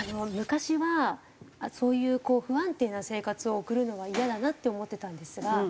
昔はそういう不安定な生活を送るのはイヤだなって思ってたんですが